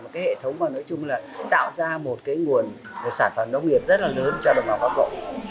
một cái hệ thống mà nói chung là tạo ra một cái nguồn sản phẩm nông nghiệp rất là lớn cho đồng bào bắc bộ